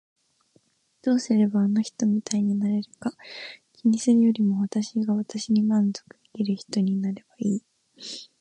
どうすればあの人みたいになれるか気にするよりも私が私に満足できる人になればいい。